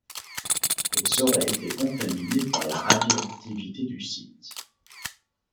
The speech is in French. Ils auraient été contaminés par la radioactivité du site.